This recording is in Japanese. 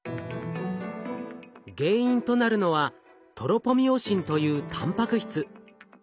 原因となるのはトロポミオシンというたんぱく質。